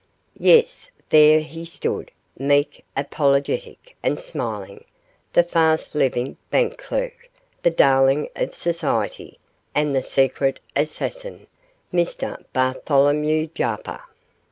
Yes, there he stood, meek, apologetic, and smiling the fast living bank clerk, the darling of society, and the secret assassin Mr Bartholomew Jarper.